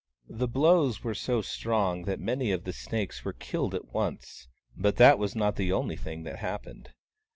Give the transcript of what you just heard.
The blows were so strong that many of the snakes were killed at once — but that was not the only thing that happened.